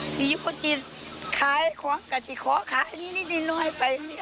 สียูปจีนขายของกับที่ขอขายนิดนิดนิดน้อยไปนี่ล่ะ